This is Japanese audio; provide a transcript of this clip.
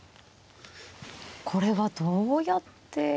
これはどうやって。